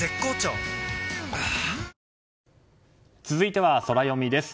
はぁ続いてはソラよみです。